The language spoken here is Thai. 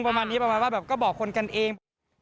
ประมาณนี้ประมาณว่าแบบก็บอกคนกันเอง